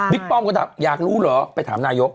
ป้อมก็ถามอยากรู้เหรอไปถามนายก